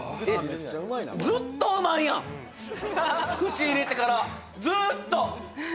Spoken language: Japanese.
めっちゃうまいな口入れてからずっと！